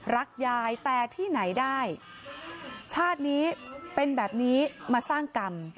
รักยายแต่ที่ไหนได้ชาตินี้เป็นแบบนี้มาสร้างกรรม